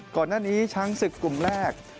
ก่อนหน้านี้ช้างศึกกลุ่มแรก